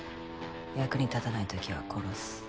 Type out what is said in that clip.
役に立たないときは殺す。